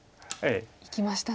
いきましたね。